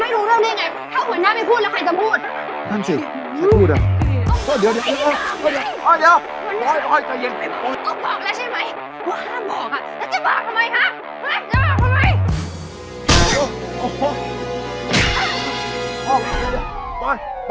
โอ๊ยโอ๊ยโอ๊ยทำไมเยี่ยมเงี๊ยมไหมป่ะ